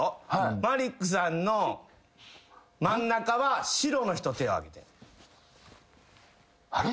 マリックさんの真ん中は白の人手をあげて。